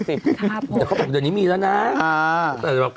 แต่หัวไยไม่เคยเจอ๘๐เจอกูเจอ๘๐